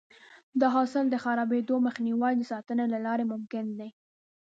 د حاصل د خرابېدو مخنیوی د ساتنې له لارې ممکن دی.